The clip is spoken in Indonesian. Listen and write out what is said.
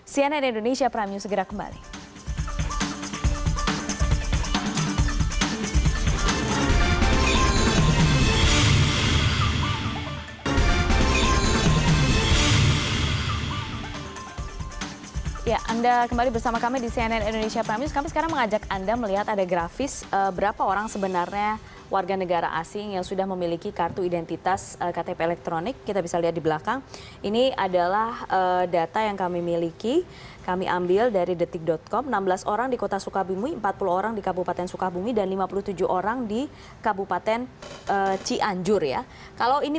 cnn indonesia prime news segera kembali